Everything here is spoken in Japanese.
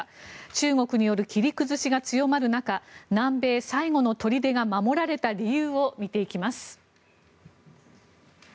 中国による切り崩しが強まる中南米最後の砦が守られた理由を見ていきます。